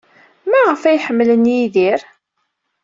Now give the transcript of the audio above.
Maɣef ay ḥemmlen Yidir?